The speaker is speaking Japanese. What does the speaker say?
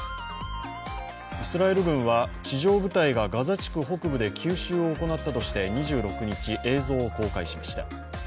イスラエル軍は地上部隊がガザ地区北部で急襲を行ったとして２６日、映像を公開しました。